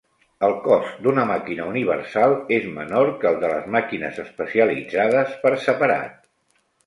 El cost d'una màquina universal és menor que el de les màquines especialitzades per separat.